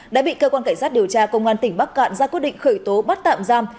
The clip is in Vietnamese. đã bị cơ quan cảnh sát điều tra công an tỉnh bắc cạn ra quyết định khởi tố bắt tạm giam